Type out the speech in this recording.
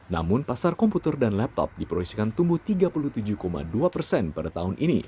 namun pasar komputer dan laptop diproyeksikan tumbuh tiga puluh tujuh dua persen pada tahun ini